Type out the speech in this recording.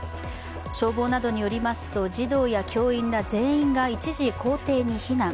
消防などによりますと児童や教員ら全員が一時校庭に避難。